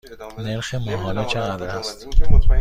نرخ ماهانه چقدر است؟